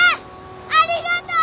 ありがとう！